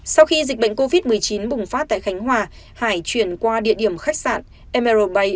sau khi dịch bệnh covid một mươi chín bùng phát tại khánh hòa hải chuyển qua địa điểm khách sạn mry